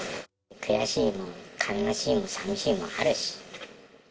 悔しいも、悲しいも、さみしいもあるし。